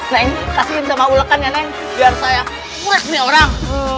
neng kasihin sama ulekan ya neng biar saya murek nih orang